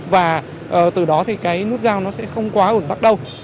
và từ đó thì cái nút giao nó sẽ không quá ụn tắt đâu